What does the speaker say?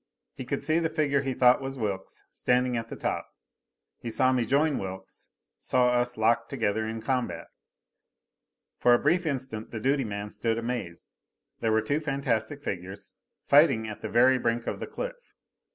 He could see the figure he thought was Wilks, standing at the top. He saw me join Wilks, saw us locked together in combat. For a brief instant the duty man stood amazed. There were two fantastic figures, fighting at the very brink of the cliff.